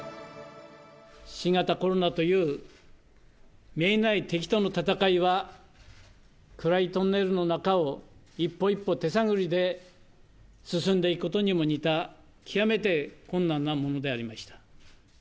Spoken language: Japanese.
新型コロナという見えない敵との闘いは、暗いトンネルの中を一歩一歩手探りで進んでいくことにも似た、極めて困難なものでありました。